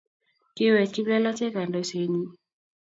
kiwech kiplelachek kandoisenyi